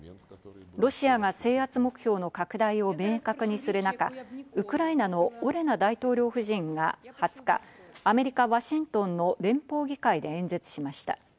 ロシアが制圧目標の拡大を明確にする中、ウクライナのオレナ大統領夫人が２０日、アメリカ・ワシントンの連邦議会で演説しました。